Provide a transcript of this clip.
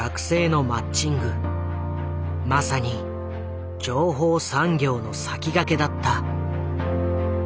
まさに情報産業の先駆けだった。